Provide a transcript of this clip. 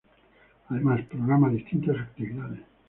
Además, programa distintas actividades.